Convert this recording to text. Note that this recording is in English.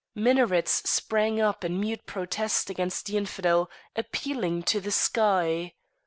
Minarets sprang up in mute protest against the infidel, appealing to the sky.